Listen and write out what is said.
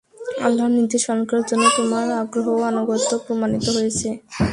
আল্লাহর নির্দেশ পালন করার জন্যে তোমার আগ্রহ ও আনুগত্য প্রমাণিত হয়েছে।